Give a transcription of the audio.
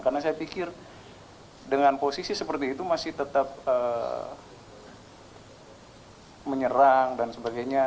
karena saya pikir dengan posisi seperti itu masih tetap menyerang dan sebagainya